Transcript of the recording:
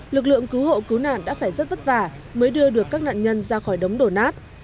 lực lượng cứu hộ cứu nạn đã phải rất vất vả mới đưa được các nạn nhân ra khỏi đống đổ nát